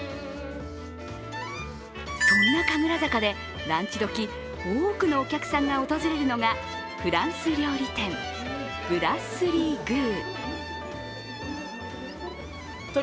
そんな神楽坂でランチ時、多くのお客さんが訪れるのがフランス料理店、ブラッスリー・グー。